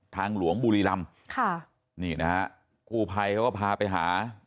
หลวงบุรีรำค่ะนี่นะฮะกู้ภัยเขาก็พาไปหา